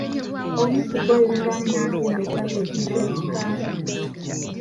Omu kubbo yeevaamu nagenda okulaba ekintu ekikaaba.